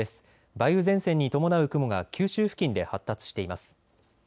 梅雨前線に伴う雲が九州付近で発達しています。